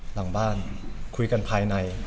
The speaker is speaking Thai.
หลังบ้านคุยกันภายใน